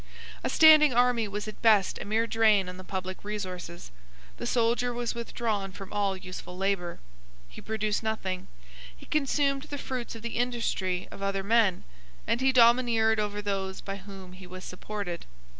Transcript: A standing army was at best a mere drain on the public resources. The soldier was withdrawn from all useful labour. He produced nothing: he consumed the fruits of the industry of other men; and he domineered over those by whom he was supported.